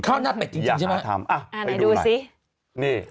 ข้าวหน้าเป็ดจริงใช่ไหมครับอ้าวไปดูหน่อยนี่